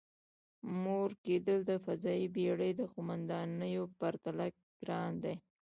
مور کېدل د فضايي بېړۍ د قوماندانېدو پرتله ګران دی.